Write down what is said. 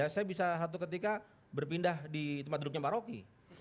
saya bisa satu ketika berpindah di tempat duduknya mbak rocky